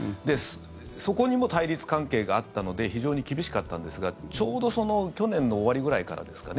そこにも対立関係があったので非常に厳しかったんですがちょうど去年の終わりぐらいからですかね